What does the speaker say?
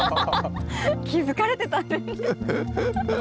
気付かれてたんですか。